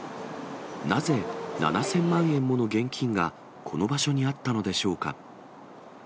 なぜ、７０００万円もの現金がこの場所にあったのでしょうか。